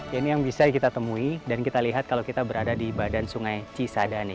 ya ini yang bisa kita temui dan kita lihat kalau kita berada di badan sungai cisadane